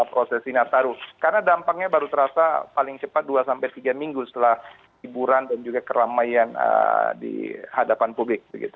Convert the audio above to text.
karena dampaknya baru terasa paling cepat dua tiga minggu setelah hiburan dan juga keramaian di hadapan publik